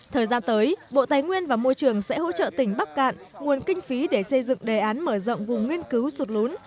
thời gian tới bộ tài nguyên và môi trường sẽ hỗ trợ tỉnh bắc cạn nguồn kinh phí để xây dựng đề án mở rộng vùng nguyên cứu sụt lún